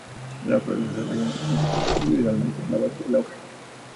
Las flores se desarrollan individualmente en la base de la hoja.